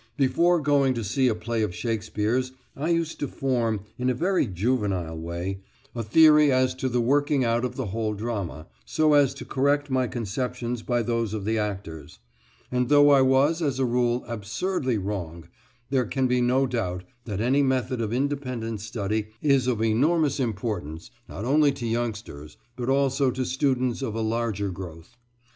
Before going to see a play of Shakespeare's I used to form in a very juvenile way a theory as to the working out of the whole drama, so as to correct my conceptions by those of the actors; and though I was, as a rule, absurdly wrong, there can be no doubt that any method of independent study is of enormous importance, not only to youngsters, but also to students of a larger growth.